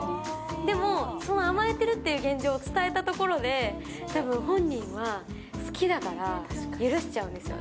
でも、その甘えてるっていう現状を伝えたところで、たぶん、本人は好きだから許しちゃうんですよ。